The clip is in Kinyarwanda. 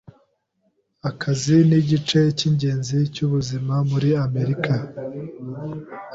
Akazi nigice cyingenzi cyubuzima muri Amerika.